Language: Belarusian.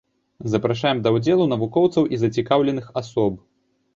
Запрашаем да ўдзелу навукоўцаў і зацікаўленых асоб.